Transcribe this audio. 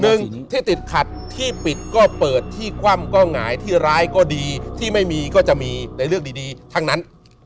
หนึ่งที่ติดขัดที่ปิดก็เปิดที่คว่ำก็หงายที่ร้ายก็ดีที่ไม่มีก็จะมีในเรื่องดีทั้งนั้น